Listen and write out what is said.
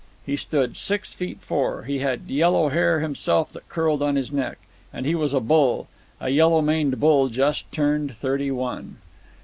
He stood six feet four; he had yellow hair himself that curled on his neck; and he was a bull—a yellow maned bull just turned thirty one.